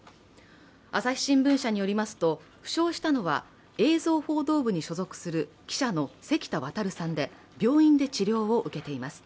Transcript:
朝日新聞社によりますと負傷したのは映像報道部に所属する記者の関田航さんで病院で治療を受けています。